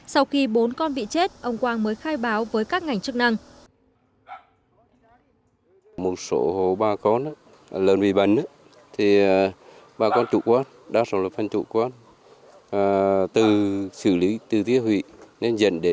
sau khi bốn con bị chết ông quang mới khai báo với các ngành chức năng